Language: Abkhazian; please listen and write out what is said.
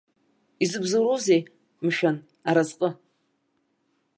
Изыбзоуроузеи, мшәан, аразҟы?!